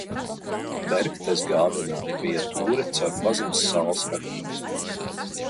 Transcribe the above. Bergtesgādenā bija tūre caur pazemes sāls raktuvēm.